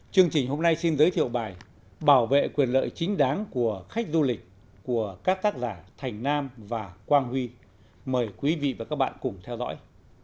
chương trình hôm nay xin giới thiệu bài bảo vệ quyền lợi chính đáng của khách du lịch của các tác giả thành nam và quang huy mời quý vị và các bạn cùng theo dõi